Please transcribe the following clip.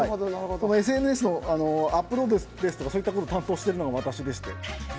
そのＳＮＳのアップロードですとかそういったこと担当してるのが私でして。